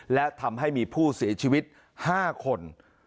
และทำให้มีผู้เสียชีวิต๕คน